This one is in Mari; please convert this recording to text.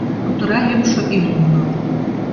Кутыра йомшо ӱмыл мылам.